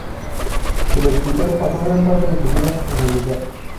El escritor pasó gran parte de su vida en el lugar.